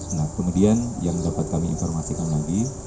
nah kemudian yang dapat kami informasikan lagi